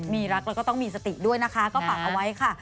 มีรักแล้วก็ต้องมีสติด้วยนะคะก็ฝากเอาไว้ค่ะ